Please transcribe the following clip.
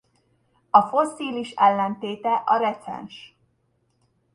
A fosszilis ellentéte a recens.